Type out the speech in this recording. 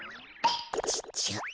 ちっちゃ。